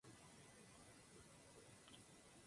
Su área de especialidad fueron los lenguajes de programación.